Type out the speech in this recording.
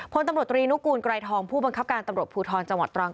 พลตำรวจตรีนุกูลไกรทองผู้บังคับการตำรวจภูทรจังหวัดตรัง